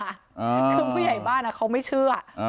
อ่าเพราะผู้ใหญ่บ้านอ่ะเขาไม่เชื่ออ่า